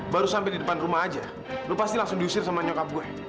baru sampai di depan rumah aja lu pasti langsung diusir sama nyokap gue